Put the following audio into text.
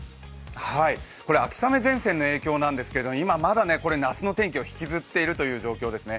秋雨前線の影響なんですけど今、まだ夏の天気を引きずっている影響ですね